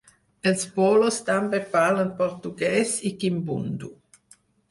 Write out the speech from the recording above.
Els bolos també parlen portuguès i kimbundu.